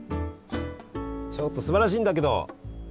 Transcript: ちょっとすばらしいんだけど。